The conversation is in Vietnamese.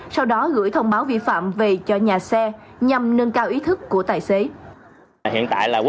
sau đó gửi thông báo vi phạm về cho nhà xe nhằm nâng cao ý thức của tài xế